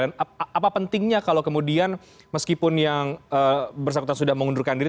apa pentingnya kalau kemudian meskipun yang bersangkutan sudah mengundurkan diri